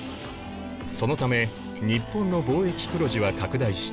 そのため日本の貿易黒字は拡大した。